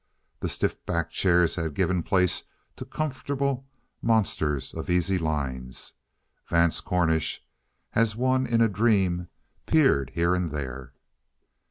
The stiff backed chairs had given place to comfortable monsters of easy lines. Vance Cornish, as one in a dream, peered here and there.